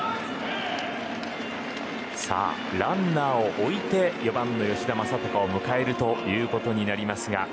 ランナーを置いて４番の吉田正尚を迎えることになります。